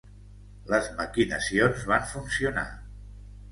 Les maquinacions van funcionar.